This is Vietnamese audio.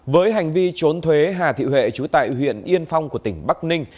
với hành vi trốn thuế hà thị huệ chú tại huyện yên phong của tỉnh bắc ninh